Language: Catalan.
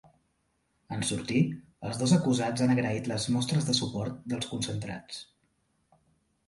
En sortir, els dos acusats han agraït les mostres de suport dels concentrats.